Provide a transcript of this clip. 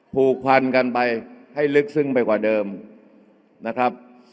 ผูกพันกันไปให้ลึกซึ้งไปกว่าเดิมนะครับ